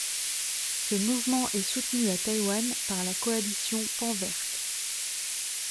Ce mouvement est soutenu à Taïwan par la Coalition pan-verte.